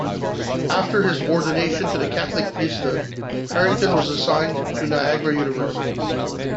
After his ordination to the Catholic priesthood, Harrington was assigned to Niagara University.